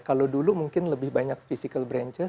kalau dulu mungkin lebih banyak physical branches